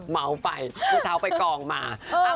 เมาไปพี่เท้าไปกองมา